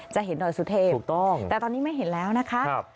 จะเห็นหน่อยสุเทปแต่ตอนนี้ไม่เห็นแล้วนะคะ